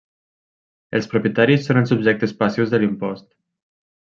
Els propietaris són els subjectes passius de l'impost.